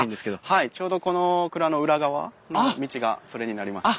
はいちょうどこの蔵の裏側の道がそれになりますね。